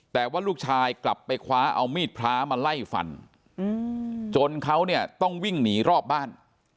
แต่ว่าลูกชายกลับไปคว้าเอามีดพระมาไล่ฟันจนเขาเนี่ยต้องวิ่งหนีรอบบ้าน